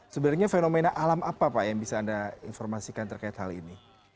sebenarnya fenomena alam apa pak yang bisa anda informasikan terkait hal ini